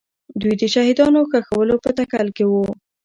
دوی د شهیدانو ښخولو په تکل کې وو.